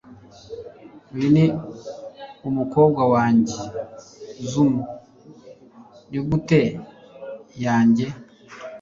uyu ni umukobwa wanjye, zuma. nigute yanjye